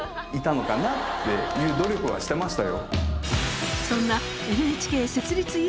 のかなっていう努力はしてましたよ。